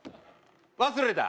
忘れた？